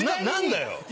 何だよ。